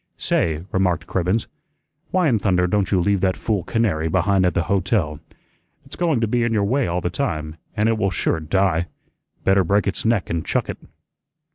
"Say," remarked Cribbens, "why in thunder don't you leave that fool canary behind at the hotel? It's going to be in your way all the time, an' it will sure die. Better break its neck an' chuck it."